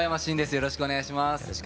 よろしくお願いします。